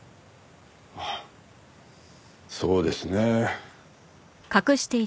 あっそうですね。